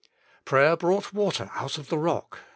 Prayer brought water out of the rock, xx.